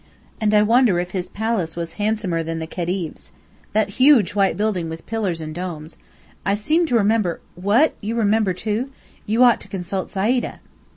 And I wonder if his palace was handsomer than the Khedive's? That huge white building with the pillars and domes. I seem to remember " "What, you remember, too? You ought to consult Sayda!"